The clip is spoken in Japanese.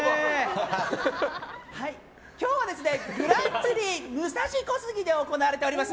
今日はグランツリー武蔵小杉で行われております